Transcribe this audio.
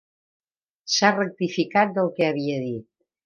S'ha rectificat del que havia dit.